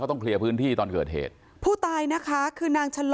ต้องเคลียร์พื้นที่ตอนเกิดเหตุผู้ตายนะคะคือนางชะลอ